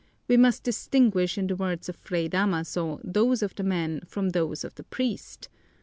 We must distinguish in the words of Fray Damaso those of the man from those of the priest.